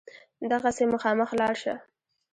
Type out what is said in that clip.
دغسې مخامخ لاړ شه.